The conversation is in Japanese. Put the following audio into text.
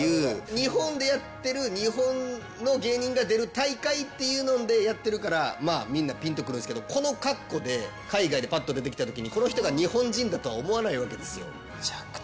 日本でやってる日本の芸人が出る大会っていうのんでやってるからまぁみんなぴんとくるんですけどこの格好で海外でぱっと出てきた時にこの人が日本人だとは思わないわけですよ。